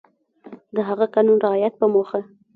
د هغه قانون رعایت په موخه